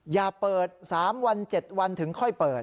อย่าเปิด๓วัน๗วันถึงค่อยเปิด